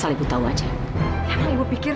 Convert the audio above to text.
saya putuskan untuk membatalkan